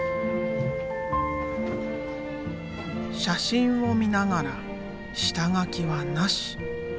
写真を見ながら下書きはなし。